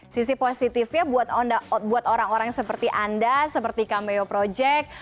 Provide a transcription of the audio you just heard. sisi positifnya buat orang orang seperti anda seperti cameo project